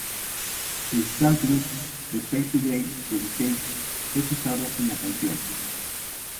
El sampling de "Fade to Grey" de Visage es usado en la canción.